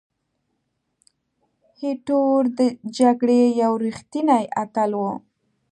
ایټور د جګړې یو ریښتینی اتل وو.